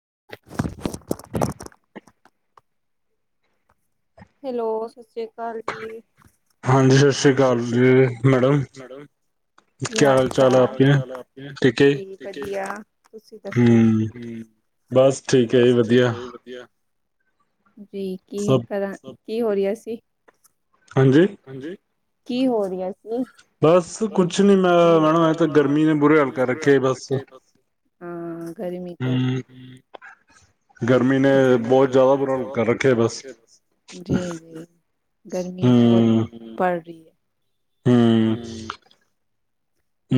[unintelligible] [unintelligible] Hello, ਸਤਿ ਸ੍ਰੀ ਅਕਾਲ ਜੀ। ਹਾਂਜੀ ਸਤਿ ਸ਼੍ਰੀ ਅਕਾਲ ਜੀ ਮੈਡਮ, ਕਿ ਹਾਲ ਚਨ, ਕੀ ਹਾਲ ਚਾਲ ਆ ਆਪਕੇ, ਜੀ ਵਧੀਆ ਤੁਸੀਂ ਦੱਸੋ? ਹੂੰ, ਬਸ ਠੀਕ ਹੈ ਜੀ ਵਧੀਆ। ਜੀ, ਕੀ ਕਰਨ ਕੀ ਹੋ ਰਹੀਹਾ ਸੀ? ਹਾਂਜੀ? ਕੀ ਹੋ ਰਿਆਂ ਸੀ। ਹੂੰ, ਗਰਮੀ ਤੋਂ, ਜੀ ਜੀ, ਗਰਮੀ ਬਹੁਤ ਪਡ ਰਹੀ ਹੈ। ਹੂੰ।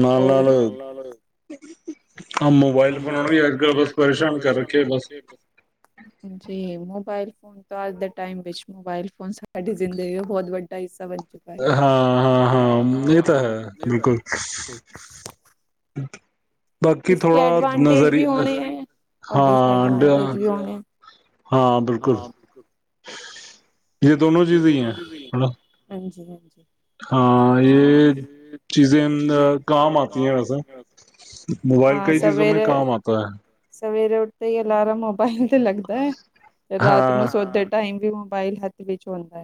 ਨਾਲ ਨਾਲ ਹਾਂ ਮੋਬਾਇਲ ਫੋਨਾਂ ਨੂੰ ਵੀ ਅੱਜ ਕੱਲ ਬਸ ਪਰੇਸ਼ਾਨ ਕਰ ਰੱਖਿਆ ਬਸ। ਜੀ ਮੋਬਾਈਲ ਹੁਣ ਅੱਜ ਦੇ ਟਾਈਮ ਵਿੱਚ ਮੋਬਾਇਲ ਫੋਨ ਸਾਡੀ ਜ਼ਿੰਦਗੀ ਦਾ ਬਹੁਤ ਵੱਡਾ ਹਿੱਸਾ ਬਣ ਹਾਂ, ਹਾਂ, ਹਾਂ ਇਹ ਤਾਂ ਹੈ ਬਿਲਕੁਲ। ਬਾਕੀ ਥੋੜਾ ਨਜ਼ਰੀਆ ਹਾਂ ਡੇਲ, ਹਾਂ ਬਿਲਕੁਲ ਯੇ ਦੋਨੋਂ ਚਿਜੇ ਹੈਂ, ਹਾਂਜੀ ਹਾਂਜੀ ਹਾਂ ਇਹ ਚੀਜ਼ੇ ਨ ਆਤੀ ਹੈ ਵੈਸੇ, ਮੋਬਾਈਲ ਕਈ ਚੀਜ਼ੋ ਮੇ ਕਾਮ ਆਤਾ ਹੈ। ਸਵੇਰੇ ਉੱਠਦੇ ਹੀ ਅਲਾਰਮ ਤਾਹੀਂ ਤੇ ਲੱਗਦਾ ਹੈ ਤੇ ਰਾਤ ਨੂੰ ਸੌਤੇ ਟਾਈਮ ਕਿ ਮੋਬਾਈਲ ਹਥ ਵਿੱਚ ਹੁੰਦਾ,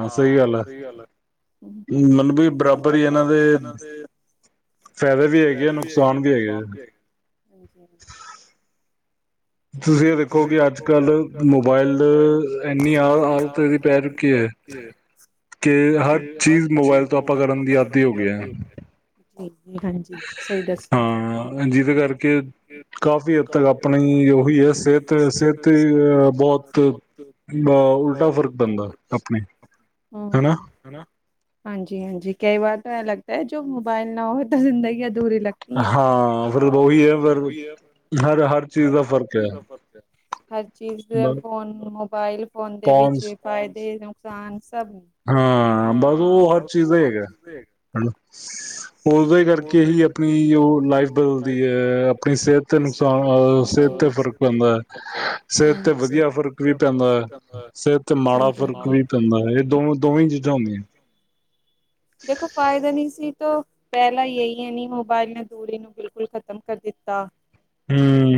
ਹਾਂ ਸਹੀ ਗੱਲ ਆ। ਮਲਬ ਬਰਾਬਰ ਈ ਇਹਨਾਂ ਦੇ ਫਾਇਦੇ ਵੀ ਹੈਗੇ ਨੁਕਸਾਨ ਵੀ ਹੈਗੇ। ਹਾਂਜੀ ਤੁਸੀਂ ਇਹ ਦੇਖੋ ਕਿ ਅੱਜ ਕੱਲ੍ਹ ਮੋਬਾਇਲ ਇੰਨੀ ਆ ਆਦਤ ਇਹ ਦੀ ਪੈ ਚੁੱਕੀ ਹੈ ਕਿ ਹਰ ਚੀਜ਼ ਮੋਬਾਇਲ ਤੋਂ ਆਪਾਂ ਕਰਨ ਦੀ ਆਦੀ ਹੋ ਗਏ ਆ। ਹੂੰ। ਹਾਂ ਜਿਹਦੇ ਕਰਕੇ ਕਾਫ਼ੀ ਹੱਦ ਤੱਕ ਆਪਣੀ ਉਹੀ ਹੈ ਸਿਹਤ ਤੇ ਸਿਹਤ ਅ ਬਹੁਤ ਅ ਉਲਟਾ ਫਰਕ ਪੈਂਦਾ ਆਪਣੇ ਹਨਾ। ਹਾਂਜੀ ਹਾਂਜੀ ਕਈ ਵਾਰ ਤਾਂ ਐਂ ਲੱਗਦਾ ਹੈ ਜੋ ਮੋਬਾਇਲ ਨਾ ਉਹ ਤਾਂ ਜ਼ਿੰਦਗੀ ਅੱਧ ਹਾਂ ਫਿਰ ਉਹੀ ਹੈ ਫਿਰ ਹਰ ਹਰ ਚੀਜ਼ ਦਾ ਫ਼ਰਕ ਹੈ। ਹਰ ਚੀਜ਼ ਫੋਨ ਮੋਬਾਇਲ ਫੋਨ ਦੇ ਵਿੱਚ ਪਾਏਦੇ ਫਾਂਸ [unintelligible] ਹਾਂ ਬਸ ਉਹ ਹਰ ਚੀਜ਼ ਦਾ ਹੈਗਾ। ਉਹਦੇ ਕਰਕੇ ਹੀ ਆਪਣੀ ਉਹ ਲਾਈਫ ਬਦਲਦੀ ਹੈ ਆਪਣੀ ਸਿਹਤ ਤੇ ਨੁਕਸਾਨਹ ਸਿਹਤ ਤੇ ਫ਼ਰਕ ਪੈਂਦਾ ਹੈ ਸਿਹਤ ਤੇ ਵਧੀਆ ਫ਼ਰਕ ਵੀ ਪੈਂਦਾ ਹੈ ਸਿਹਤ ਤੇ ਮਾੜਾ ਫ਼ਰਕ ਵੀ ਪੈਂਦਾ ਹੈ। ਦੋ ਦੋਵੇਂ ਚੀਜ਼ਾਂ ਹੁੰਦੀਆਂ। ਪਹਿਲਾਂ ਇਹੀ ਹੈ ਨੀ ਮੋਬਾਇਲ ਨੇ ਦੂਰੀ ਨੂੰ ਬਿਲਕੁਲ ਖਤਮ ਕਰ ਦਿੱਤਾ।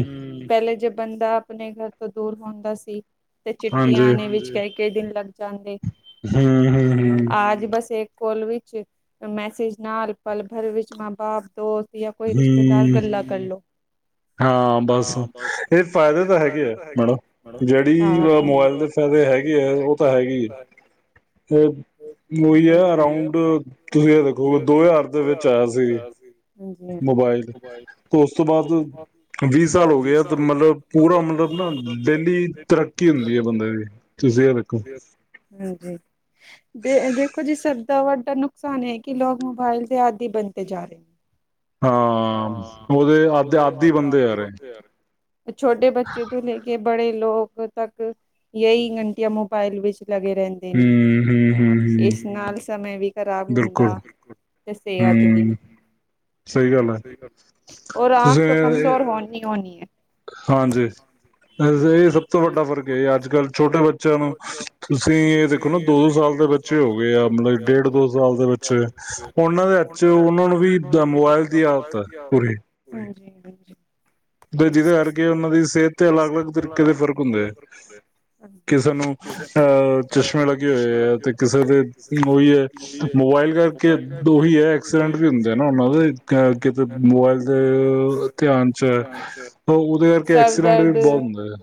ਹਾਂ ਪਹਿਲੇ ਜੇ ਬੰਦਾ ਆਪਣੇ ਘਰ ਤੋਂ ਦੂਰ ਹੁੰਦਾ ਸੀ ਤੇ ਚਿੱਟੀਆਂ ਨੇ ਵਿੱਚ ਕਹਿ ਕ ਦਿਨ ਲੱਗ ਜਾਂਦੇ। ਹਮ-ਹਮ, ਹਮ। ਕਾਲ ਵਿੱਚ ਮੈਸੇਜ ਨਾਲ ਪਲ ਭਰ ਵਿੱਚ ਮਾਂ ਬਾਪ, ਦੋਸਤ ਜਾਂ ਕੋਈ ਰਿਸ਼ਤੇਦਾਰ ਗੱਲਾਂ ਕਰ ਲਓ। ਹਾਂ ਬਸ ਇਹ ਫਾਇਦੇ ਤਾਂ ਹੈਗੇ ਆ ਮੈਡਮ ਜਿਹੜੀ ਮੋਬਾਇਲ ਦੇ ਫਾਇਦੇ ਹੈਗੇ ਹੈ ਉਹ ਤਾਂ ਹੈਗੇ ਆ। ਉਹੀ ਹੈ ਅਰਾਉਂਡ ਤੁਸੀਂ ਇਹ ਦੇਖੋਗੇ ਦੋ ਹਜ਼ਾਰ ਦੇ ਵਿੱਚ ਆਇਆ ਸੀ। ਮੋਬਾਇਲ ਤੇ ਉਸ ਤੋਂ ਬਾਅਦ ਵੀਹ ਸਾਲ ਹੋ ਗਏ ਆ ਤੇ ਮਤਲਬ ਪੂਰਾ ਮਤਲਬ ਨਾ ਡੇਲੀ ਤਰੱਕੀ ਹੁੰਦੀ ਹੈ ਬੰਦੇ ਦੀ ਤੁਸੀਂ ਇਹ ਦੇਖੋ। ਦੇ ਦੇਖੋ ਜੀ ਸਭ ਦਾ ਵੱਡਾ ਨੁਕਸਾਨ ਇਹ ਕਿ ਲੋਕ ਮੋਬਾਇਲ ਦੇ ਆਦਿ ਬਣਤੇ ਜਾ ਰਹੇ। ਹਾਂ ਉਹਦੇ ਆਧ ਆਦੀ ਬੰਦੇ ਜਾ ਰਹੇ। ਛੋਟੇ ਬੱਚੇ ਤੋਂ ਲੈ ਕੇ ਬੜੇ ਲੋਕ ਤੱਕ ਯਹੀ ਘੰਟੀਆਂ ਮੋਬਾਇਲ ਵਿੱਚ ਲਗੇ ਰਹਿੰਦੇ ਨੀ। ਇਸ ਨਾਲ ਸਮੇਂ ਵੀ ਖ਼ਰਾਬ ਹੁੰਦਾ ਤੇ ਸਿਹਤ ਵੀ ਰ ਆਖ ਤੋਂ ਕਮਜ਼ੋਰ ਹੋਣੀ ਹੋਣੀ ਹੈ। ਹਾਂਜੀ ਇਹ ਸਭ ਤੋਂ ਵੱਡਾ ਫ਼ਰਕ ਹੈ ਅੱਜ ਕੱਲ ਛੋਟੇ ਬੱਚਿਆਂ ਨੂੰ ਤੁਸੀਂ ਇਹ ਦੇਖੋ ਨਾ ਦੋ ਦੋ ਸਾਲ ਦੇ ਵਿੱਚ ਹੋ ਗਏ ਆ ਮਤਲਬ ਡੇਢ ਦੋ ਸਾਲ ਦੇ ਵਿੱਚ ਉਹਨਾਂ ਦੇ ਵਿੱਚ ਉਹਨਾਂ ਨੂੰ ਵੀ ਮੋਬਾਇਲ ਦੀ ਆਦਤ ਹੈ ਪੂਰੀ। ਜੇ ਗੱਲ ਜੀ। ਜਿਹਦੇ ਕਰਕੇ ਉਹਨਾਂ ਦੀ ਸਿਹਤ ਤੇ ਅਲੱਗ, ਅਲੱਗ, ਤਰੀਕੇ ਦੇ ਫਰਕ ਹੁੰਦੇ ਆ, ਕਿਸੇ ਨੂੰ ਅ ਚਸਮਾਂ ਲੱਗਿਆ ਹੋਇਆ। ਅਤੇ ਕਿਸੇ ਦੇ ਉਹੀ ਹੈ ਮੋਬਾਇਲ ਕਰਕੇ ਉਹੀ ਹੈ ਐਕਸੀ ਉਹ, ਉਹਦੇ ਕਰਕੇ ਐਕਸੀਡੈਂਟ, ਵੀ ਬਹੁਤ ਹੁੰਦੇ ਜੇ।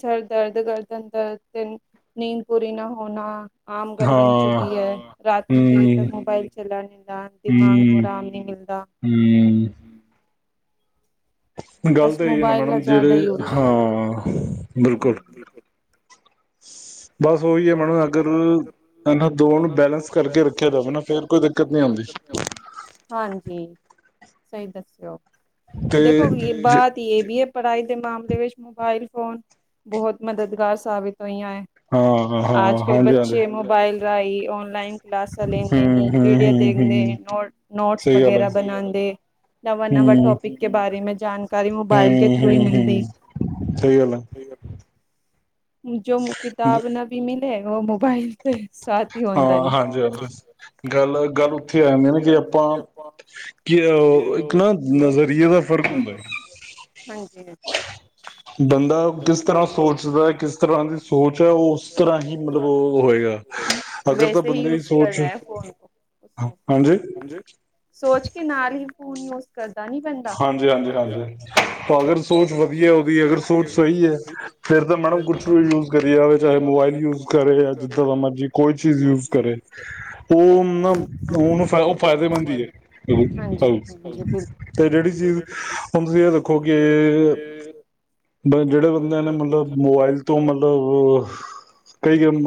ਸਿਰ ਦਰ ਕਰਦਾ ਰਹਿਦਾ ਤੇ, ਨੀਂਦ ਪੂਰੀ ਨਾ ਹੋ ਨਾ। ਆਮ ਗੱਲ ਬਣ ਚੁੱਕੀ ਹੈ, ਰਾਤ ਨੂੰ ਦੇਰ ਤੱਕ ਮੋਬਾਇਲ ਚਲਾ ਰਹਿਦਾ, ਦਿਮਾਗ ਨੂੰ ਆਰਾਮ ਨਈ ਮਿਲਦਾ। ਗੱਲ ਤਾਂ ਇ ਹੈ ਨਾ ਮੈਡਮ, ਜਿਹੜੇ ਹਾਂ, ਬਿਲਕੁਲ। [inaudible] ਬਸ ਉਹੀ ਹੈ ਮੈਡਮ, ਅਗਰ ਇਹਨਾਂ ਦੋਆਂ ਨੂੰ ਬੈਲੈਂਸ ਕਰਕੇ ਰੱਖਿਆ ਜਾਵੇ ਨਾ, ਫਿਰ ਕੋਈ ਦਿੱਕਤ ਨਹੀਂ ਆਉਂਦੀ। ਹਾਂਜੀ-ਹਾਂਜੀ। ਸਹੀ ਦੱਸਓ। ਦੇਖੋ ਯੇ ਬਾਤ, ਯੇਹ ਬੀ ਹੈ। ਪੜ੍ਹਾਈ ਦੇ ਮਾਮਲੇ ਵਿੱਚ ਮੋਬਾਇਲ ਫੋਨ ਬਹੁਤ ਮਦਦਗਾਰ ਸਾਬਿਤ ਹੋਈਆਂ ਹੈ। ਆਜ ਕਲ ਬੱਚੇ ਮੋਬਾਈਲ ਪੜਾਈ, ਔਨਲਾਈਨ ਕਲਾਸਾਂ ਲੈਂਦੇ ਣੀ, ਜੇਹੜੀਆਂ ਦੇਂਦੇ, ਨੋ ਨੋਟਸ ਵਗੈਰਾ ਬਨਾਂਦੇ, ਨਵਾਂ-ਨਵਾਂ ਟੋਪਿਕ ਕੇ ਬਾਰੇ ਮੈਂ [unintelligible] ਹੇ -ਹੀ- ਹੇ -ਹੇ ਸਹੀ ਗੱਲ ਆ। ਜੋ ਮੁੱਕੀ ਦਾਜ ਨਾਲ। ਲੈ ਆਓ, ਮੋਬਾਇਲ। ਹਾਂ ਹਾਂਜੀ- ਹਾਂਜੀ ਗੱਲ- ਗੱਲ ਉੱਥੇ ਆ ਜਾਂਦੇ ਨਾ, ਕਿ ਆਪਾਂ ਕੀ, ਇੱਕ ਨਾ ਨਜ਼ਰੀਏ ਦਾ ਫ਼ਰਕ ਹੁੰਦਾ। ਬੰਦਾ ਕਿਸ ਤਰ੍ਹਾਂ ਸੋਚਦਾ ਹੈ, ਕਿਸ ਤਰ੍ਹਾਂ ਦੀ ਸੋਚ ਹ ਉਹ। ਚੋਰਾਹੀ ਮਾਣਹੋਰ ਹੋਏ ਗਾ, ਅਗਰ ਤਾ ਬੰਦੇ ਦੀ ਸੋਚ ਹਾਜੀ। [unintelligible] ਹਾਂਜੀ-ਹਾਂਜੀ-ਹਾਂਜੀ ਅਗਰ ਸੋਚ ਵਧੀਆ ਉਹਦੀ, ਅਗਰ ਸੋਚ ਸਹੀ ਹੈ ਫਿਰ ਤੇ ਮੈਡਮ ਕੁਛ ਵੀ ਯੂਜ ਕਰੀ ਜਾਵੇ ਚਾਹੇੋ ਇਹ ਵੀ ਯੂਜ ਕਰ ਰਹੇ ਹੈ ਜਿੱਦਾਂ ਦਾ ਮਰਜ਼ੀ, ਕੋਈ ਚੀਜ਼ ਯੂਜ ਕਰੇ, ਉਹ ਨਾ ਉਹਨੂੰ ਫਾ ਫਾਇਦੇਮੰਦ ਹੀ ਹੈ [unintelligible] ਤੇ ਜਿਹੜੀ ਚੀਜ਼, ਹੁਣ ਤੁਸੀਂ ਇਹ ਦੇਖੋ ਕੇ, ਬ ਜਿਹੜੇ ਬੰਦਿਆਂ ਨੇ ਮਤਲਬ ਮੋਬਾਇਲ ਤੋਂ ਮਤਲਬ ਕਈ ਹੁਣ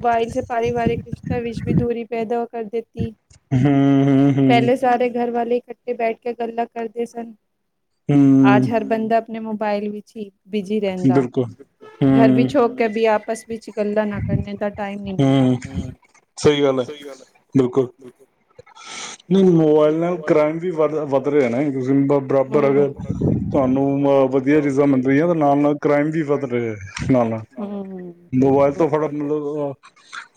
ਮੋਬਾਇਲ ਚ ਪ੍ਰਵਾ੍ਰਿਕ ਰਿਸ਼ਤੇਆਂ ਵਿੱਚ ਵੀ ਦੂਰੀ ਪੈਦਾ ਕਰ ਦੇਂ ਤੀ ਹਮ, ਪਹਿਲੇ ਸਾਰੇ ਘਰ ਵਾਲੇ ਤੇ ਬੈਠ ਕੇ ਗੱਲਾਂ ਕਰਦੇ ਸਨ। ਆਜ ਹਰ ਬੰਦਾ ਅਪਣੇ ਮੋਬਾਇਲ ਵਿਚ ਹੀ ਬਿਜੀ ਰਹਿੰਦਾ, ਘਰ ਵੀ ਹੋ ਕੇ ਵੀ ਆਪ [unintelligible] ਗਲਾਂ ਨਾ ਕਰਨੇ ਦਾ ਟਾਇਮ ਨਹੀਂ ਮਿਲਦਾ, ਮੋਬਾਇਲ ਨਾਲ ਕ੍ਰਾਈਮ ਵੀ ਵੱਧ- ਵੱਧ ਰਿਹਾ ਨਾ, ਤੁਸੀਂ ਬ-ਬਰਾਬਰ ਅਗਰ ਤੁਹਾਨੂੰ ਵਧੀਆ ਚੀਜ਼ਾਂ ਮਿਲ ਰਹੀਆਂ, ਨਾਲ-ਨਾਲ ਕ੍ਰਾਈਮ ਵੀ ਵੱਧ ਰਿਹਾ, ਨਾਲ-ਨਾਲ ਮੋਬਾਇਲ ਫੜਾ ਮਤਲਬ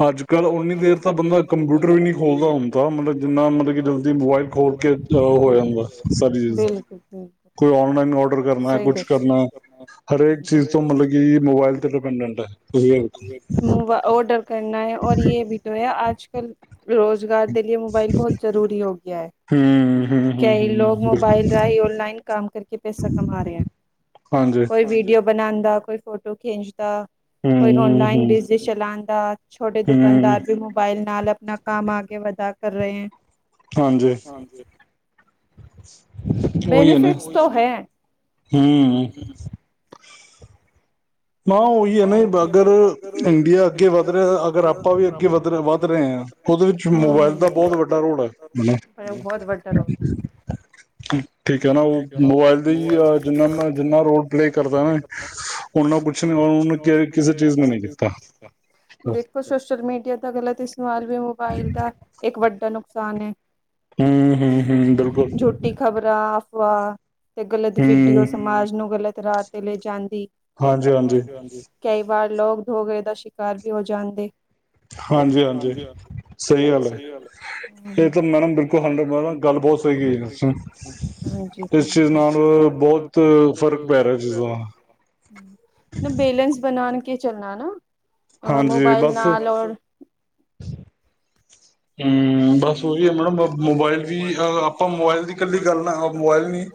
ਅੱਜ-ਕੱਲ ਉਨੀ ਦੇਰ ਤਾਂ ਬੰਦਾ ਕੰਪਿਊਟਰ ਵੀ ਨਹੀਂ ਖੋਲਦਾ ਹੁੰਦਾ, ਮਤਲਬ ਜਿੰਨਾ ਮਤਲਬ ਕਿ ਜਲਦੀ ਮੋਬਾਇਲ ਖੋਲ ਕੇ ਅ ਹੋ ਜਾਂਦਾ। ਸਾਰੀ ਚੀਜ਼ ਕੋਈ ਆਨਲਾਈਨ ਔਡਰ ਕਰਨਾ, ਕੁਛ ਕਰਨਾ ਹਰੇਕ ਚੀਜ਼ ਤੋਂ ਮਤਲਬ ਕਿ ਮੋਬਾਇਲ ਤੇ ਡਿਪੈਂਡੈਂਟ ਹੈ। [unintelligible] ਡਰ ਕਰਨਾ, ਔਰ ਏ ਭੀ ਤੋ ਹੈ ਆਜ਼- ਕਲ ਰੋਜ਼ਗਾਰ [unintelligible] ਮੋਬਾਈਲ ਬਹੁਤ ਜ਼ਰੂਰੀ ਹੋ ਗਿਆ ਹੈ। ਕਈ ਲੋਕ ਮੋਬਾਈਲ ਰਾਹੀਂ ਔਨਲਾਈਨ ਕੰਮ ਕਰਕੇ ਪੈਸਾ ਕਮਾ ਰਹੇ ਹੈ, ਕੋਈ ਵੀਡੀਓ ਬਣਾਂਦਾ ਦਾ ਕੋਈ ਫੋਟੋ ਖਿੱਚਦਾ ਕੋਈ ਆਨਲਾਈਨ ਬਿਜ਼ਨਸ ਚਲਾਂਦਾ, ਛੋਟੇ ਦੁਕਾਨਦਾਰ ਵੀ ਮੋਬਾਈਲ ਨਾਲ ਨਾ ਕਾਮ ਆਗੇ ਵਧਾ ਕਰ ਰਹੇ ਹੈ। ਹਾਂਜੀ। ਉਹੀ ਹੋ ਨਾ, ਹੁੰ। ਹਾਂ ਉਹੀ ਹੈ ਨਾ, ਅਗਰ ਇੰਡੀਆ ਅੱਗੇ ਵੱਧ ਰਿਹਾ ਅਗਰ ਆਪਾਂ ਵੀ ਅੱਗੇ ਵਧਰ-ਵੱਧ ਰਹੇ ਹਾਂ, ਉਹਦੇ ਵਿੱਚ ਮੋਬਾਇਲ ਦਾ ਬਹੁਤ ਵੱਡਾ ਰੋਲ ਹੈ, ਹੁੰ। ਠੀਕ ਹੈ ਨਾ ਉਹ ਮੋਬਾਇਲ ਦੀ ਜਿੰਨਾ ਮੈਂ ਜਿੰਨਾ ਰੋਲ ਪਲੇ ਕਰਦਾ ਨਾ ਦੇਖੋ ਸੋਸ਼ਲ ਮੀਡੀਆ ਦਾ ਗਲਤ ਇਸਤੇਮਾਲ ਵੀ ਮੋਬਾਈਲ ਦਾ ਇੱਕ ਵੱਡਾ ਨੁਕਸਾਨ ਏ ਹੁੰ ਹੁੰ ਹੁੰ, ਬਿਲਕੁਲ। [unintelligible] ਤੇ ਗਲਤ ਵਿਡੀਓ ਸਮਾਜ ਨੂੰ ਗਲਤ ਤੇ ਰਾਤ ਲੈ ਜਾਂਦੀ ਹਾਂਜੀ-ਹਾਂਜੀ [unintelligible] ਵਾਰ ਲੋਕ ਧੋਖ਼ੇ ਦਾ ਸ਼ਿਕਾਰ ਵੀ ਹੋ ਜਾਣਦੇ। ਹਾਂਜੀ-ਹਾਂਜੀ ਸਹੀ ਗੱਲ ਐ ਲੇਕਿਨ ਮੈਡਮ ਬਿਲਕੁਲ ਹੰਡ [unintelligible] ਗੱਲ ਬਹੁਤ ਸਹੀ ਹੈ। ਹਾਂਜੀ, ਬਿਲਕੁਲ ਇਸ ਚੀਜ਼ ਨਾਲ ਬਹੁਤ ਫ਼ਰਕ ਪੈ ਰਿਹਾ [unintelligible] ਨਹੀਂ ਬੈਲੰਸ ਬਨਾ ਕੀ ਚੱਲਣਾ ਨਾ ਮੋਬਾਈਲ ਨਾਲ ਲੋੜ ਹੂਸ਼, ਬਸ ਇਹ ਮੈਡਮ ਮੋਬਾਇਲ ਵੀ ਆਪਾਂ ਮੋਬਾਇਲ ਦੀ ਕਦੀ ਗੱਲਾ ਮੋਬਾਇਲ ਮੋਬਾਈਲ ਨਹੀਂ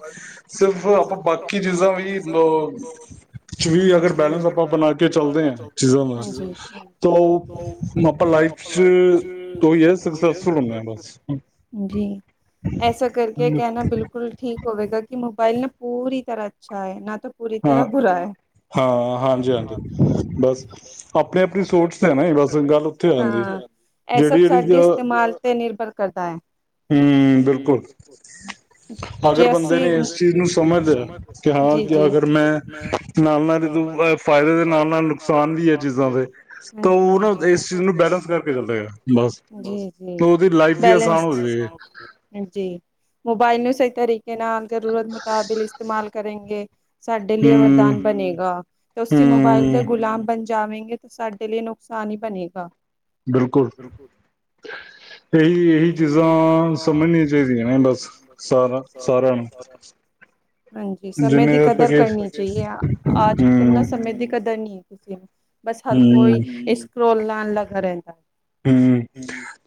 ਸਿਰਫ਼ ਆਪਾਂ ਬਾਕੀ ਚੀਜ਼ਾਂ ਵੀ ਅ ਚ ਵੀ ਅਗਰ ਬੈਲੇਂਸ ਆਪਾਂ ਬਣਾ ਕੇ ਚਲਦੇ ਹਾਂ ਚੀਜ਼ਾਂ ਦਾ ਤਾਂ ਆਪਾਂ ਲਾਈਫ ਚ [unintelligible] ਜੀ ਐਸਾ ਕਰਕੇ ਕਹਿਣਾ ਬਿਲਕੁਲ ਠੀਕ ਹੋਵੇਗਾ ਕਿ ਪੈਨ ਪੂਰੀ ਤਰ੍ਹਾਂ ਅੱਛਾ ਹੈ, ਨਾ ਹਾਂ-ਹਾਂ, ਹਾਂਜੀ-ਹਾਂਜੀ ਬਸ ਆਪਣੀ-ਆਪਣੀ ਸੋਚ ਤੇ ਹੈ, ਨਾ ਬਸ ਗੱਲ ਉੱਥੇ ਆ ਜਾਂਦੀ ਜਿਹੜੀ ਇਦੇ ਚ ਤੇ, ਮਾਲ ਤੇ ਨਿਰਭਰ ਕਰਦਾ ਐ ਹੂੰ ਬਿਲਕੁਲ, ਅਗਰ ਬੰਦੇ ਨੇ ਇਸ ਚੀਜ਼ ਨੂੰ ਸਮਝਆ ਕਿ ਹਾਂ ਕਿ ਅਗਰ ਮੈਂ ਨਾਲ-ਨਾਲ ਫਾਇਦੇ ਦੇ ਨਾਲ-ਨਾਲ ਨੁਕਸਾਨ ਵੀ ਹੈ ਚੀਜ਼ਾਂ ਦੇ, ਤਾਂ ਉਹ ਨਾ ਇਸ ਚੀਜ਼ ਨੂੰ ਬੈਲੇੈਂਸ ਕਰਕੇ ਚੱਲੇਗਾ, ਬਸ ਤੇ, ਉਹਦੀ ਲਾਈਫ ਵੀ, ਆਸਾਨ ਹੋਵੇ ਠ [unintelligible] [inaudible] ਮੋਬਾਈਲ, ਨੂੰ ਸਹੀ ਤਰੀਕੇ ਨਾਲ, ਜ਼ਰੂਰਤ ਮੁਤਾਬਿਕ ਇਸਤੇਮਾਲ, ਕਰੇਗੇ ਸਾਡੇ ਲਈ, ਏ ਵਰਦਾਨ ਬਣੇਗਾ। ਤੁਸੀ ਮੋਬਾਇਲ, ਦੇ ਗੁਲਾਮ ਬਨ ਜਾਵੇਗੇ ਤਾਂ ਸਾਡੇ ਲਈ ਨੁਕਸਾਨ ਹੀ ਬਣੇਗਾ। ਬਿਲਕੁਲ, ਹਾਂਜੀ ਸਮੇ ਦੀ ਕਦਰ ਕਰਨੀ ਚਾਹੀਏ ਅੱਜ ਕੱਲ ਨਾ ਸਮੇ ਦੀ ਕਦਰ ਨਹੀਂ ਕਿਸੇ ਨੂੰ ਬਸ ਹਰ ਕੋਈ ਇਸ ਸਕੋਲ ਨਾਲ ਨਾ ਕਰਾ, ਹੂੰ,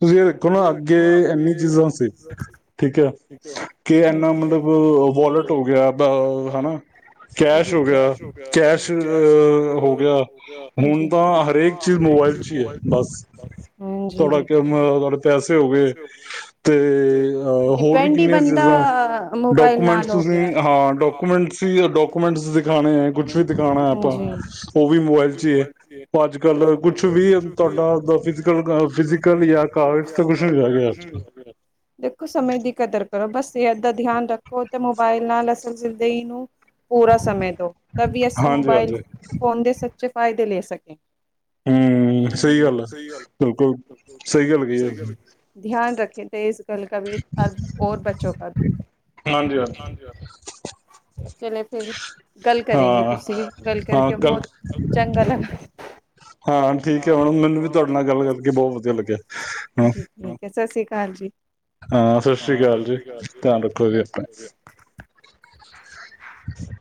ਤੁਸੀਂ ਇਹ ਦੇਖੋ ਨਾ ਅੱਗੇ ਇਨੀ ਚੀਜ਼ਾਂ ਸੀ ਠੀਕ ਹੈ ਕਿ ਐਨਾ ਮਤਲਬ ਵੋਲਟ ਹੋ ਗਿਆ ਹੈਾ ਕੈਸ਼ ਹੋ ਗਿਆ ਕੈਸ਼ ਹੋ ਗਿਆ ਹੁਣ ਤਾਂ ਹਰੇਕ ਚੀਜ਼ ਮੋਬਾਇਲ ਚ ਹੀ ਐ ਬਸ ਹਾਂਜੀ, ਤੁਹਾਡੇ ਪੈਸੇ ਹੋ ਗਏ ਤੇ ਅ ਹੋਰ ਵੀ ਕਿੰਨੀਆਂ ਚੀਜ਼ਾਂ ਡਾਕੂਮੈਂਟਸ ਤੁਸੀਂ ਹਾਂ ਡਾਕੂਮੈਂਟਸ ਡਾਕੂਮੈਂਟਸ ਦਿਖਾਣੇ ਹੈ ਕੁਛ ਵੀ ਦਿਖਾਉਣਾ ਆਪਾਂ ਉਹ ਵੀ ਮੋਬਾਇਲ ਚ ਹੀ ਹੈ ਅੱਜ ਕਲ ਕੁਛ ਵੀ ਤੁਹਾਡਾ ਫਿਜ਼ਕਲ ਜਾਂ ਕਾਗਜ਼ ਤਾਂ ਕੁਛ ਨੀ ਰਹਿ ਗਿਆ ਅੱਜ ਕਰੋ ਬਸ ਇਹ ਇੱਧਰ ਧਿਆਨ, ਰੱਖੋ ਤੇ ਮੋਬਾਇਲ ਨਾਲ ਸਿਰਦੇਈ ਨੂੰ, ਪੂਰਾ ਸਮੇਂ ਦੋ ਤਾ ਵੀ ਅਸੀਂ ਮੋਬਾਇਲ ਫੋਨ ਦੇ ਸੱਚੇ ਫਾਇਦੇ ਲੈ। ਸਕ ਹੂੰ, ਸਹੀ ਗੱਲ ਐ। ਬਿਲਕੁਲ ਸਹੀ ਗੱਲ ਕਹੀ ਹੈ ਤੁੰ। ਧਿਆਨ ਰੱਖੇ ਤੇ ਇਸ ਕਲ ਕਵੀਰ ਅ ਰ ਬੱਚੋ ਕਾ ਵੀ, ਚਲੇ ਫੇਰ, ਕਲ ਕਰੇਗੇ ਤੁਸੀਂ ਵੀ ਗੱਲ ਕਰਕੇ ਬਹੁਤ ਚੰਗਾ ਲਗਾ, ਹਾ ਠੀਕ ਐ ਹੁਣ ਮੈਨੂੰ। ਬਹੁਤ ਵਧੀਆ ਲੱਗਿਆ ਹਾਂ। ਸਤਿ ਸ੍ਰੀ ਅਕਾਲ ਜੀ। ਹਾਂ ਸਤਿ ਸ੍ਰੀ ਅਕਾਲ ਜੀ ਧਿਆਨ ਰੱਖੋ ਜੀ ਆਪਾਂ ਅੱਛ